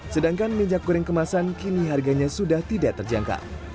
sedangkan minyak goreng kemasan kini harganya sudah tidak terjangkau